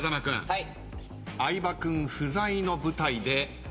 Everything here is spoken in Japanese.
はい。